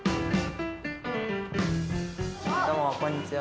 どうもこんにちは。